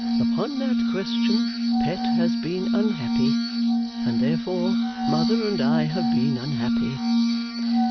Upon that question, Pet has been unhappy, and therefore Mother and I have been unhappy.